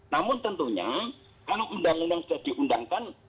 namun tentunya kalau undang undang sudah diundangkan